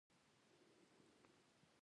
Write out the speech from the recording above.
طالب جانه ته خو د شریعت شعار ورکوې.